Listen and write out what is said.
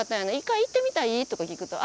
「１回行ってみたい？」とか聞くと